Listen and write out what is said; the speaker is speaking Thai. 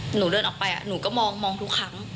หนูเดินออกไปหนูก็มองทุกครั้ง